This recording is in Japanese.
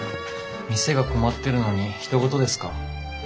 店が困ってるのにひと事ですか？